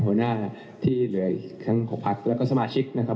หัวหน้าที่เหลืออีกทั้ง๖พักแล้วก็สมาชิกนะครับ